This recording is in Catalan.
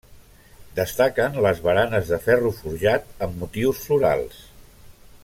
Destaquen les baranes de ferro forjat amb motius florals.